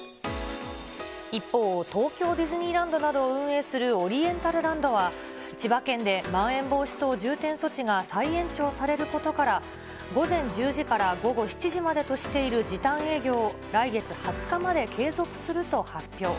一方、東京ディズニーランドなどを運営するオリエンタルランドは、千葉県でまん延防止等重点措置が再延長されることから、午前１０時から午後７時までとしている時短営業を、来月２０日まで継続すると発表。